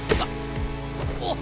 あっ！